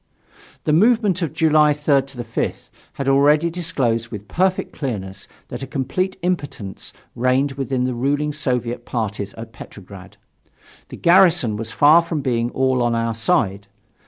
The movement of July 3rd 5th had already disclosed with perfect clearness that a complete impotence reigned within the ruling Soviet parties at Petrograd. The garrison was far from being all on our side.